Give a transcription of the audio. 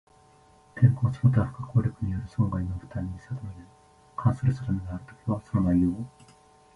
天災その他不可抗力による損害の負担に関する定めがあるときは、その内容